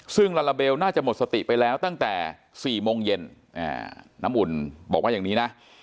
ซึ่งลาลาเบลน่าจะหมดสติไปแล้วตั้งแต่๔โมงเย็นน้ำอุ่นบอกว่าอย่างนี้นะ